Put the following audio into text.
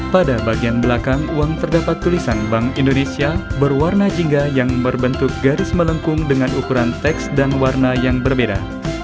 pada bagian belakang uang terdapat tulisan bank indonesia berwarna jingga yang berbentuk garis melengkung dengan ukuran teks dan warna yang berbeda